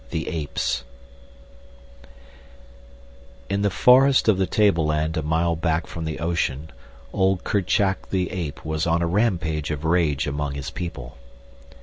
The Apes In the forest of the table land a mile back from the ocean old Kerchak the Ape was on a rampage of rage among his people.